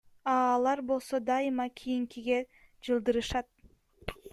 А алар болсо дайыма кийинкиге жылдырышат.